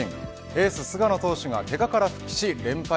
エース菅野投手がけがから復帰し連敗